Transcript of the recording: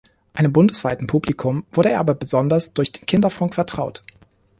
Einem bundesweiten Publikum wurde er aber besonders durch den Kinderfunk vertraut.